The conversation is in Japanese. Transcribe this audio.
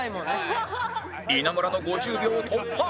稲村の５０秒を突破